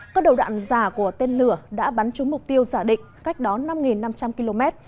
các đầu đạn giả của tên lửa đã bắn trúng mục tiêu giả định cách đó năm năm trăm linh km